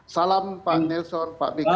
salam pak nelson pak fikar